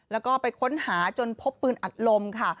แล้วก็ไปค้นหาจนพบปืนอัดลมค่ะ